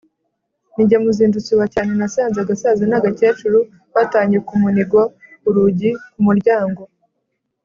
Ni jye muzindutsi wa cyane nasanze agasaza n'agakecuru batanye ku munigo-Urugi ku muryango.